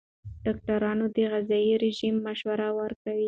ډاکټران د غذايي رژیم مشوره ورکوي.